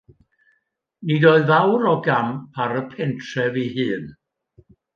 Nid oedd fawr o gamp ar y pentref ei hun.